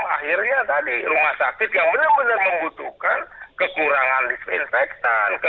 akhirnya tadi rumah sakit yang benar benar membutuhkan kekurangan disinfektan kekurangan hand sanitizer